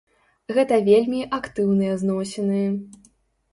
Гэта вельмі актыўныя зносіны.